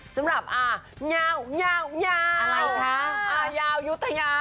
สำหรับอ่าเงี๊ยาวอ่ายาวยุธยา